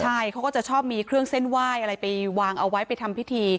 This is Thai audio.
ใช่เขาก็จะชอบมีเครื่องเส้นไหว้อะไรไปวางเอาไว้ไปทำพิธี